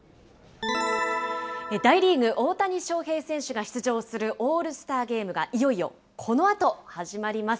大リーグ、大谷翔平選手が出場するオールスターゲームがいよいよ、このあと始まります。